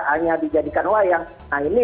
hanya dijadikan wayang nah ini